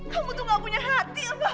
kamu tuh gak punya hati